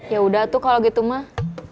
yaudah tuh kalau gitu mah